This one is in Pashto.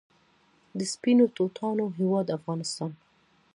د سپینو توتانو هیواد افغانستان.